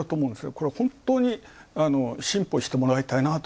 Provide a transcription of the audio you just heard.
これ本当に進歩してもらいたいなと。